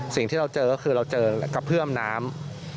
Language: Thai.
สิ่งที่เราเจอก็คือเราเจอกระเพื่อมน้ำ